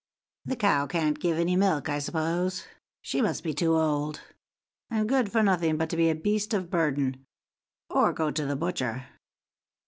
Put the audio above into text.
The cow can't give any milk, I suppose; she must be too old, and good for nothing but to be a beast of burden, or go to the butcher."